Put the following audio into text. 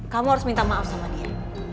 kamu harus minta maaf sama dia